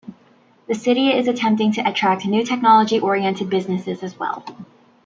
The city is attempting to attract new technology oriented businesses as well.